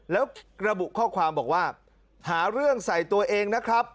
แล้วระบุข้อความบอกว่าหาเรื่องใส่ตัวเองนะครับ